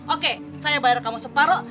oke saya bayar kamu separuh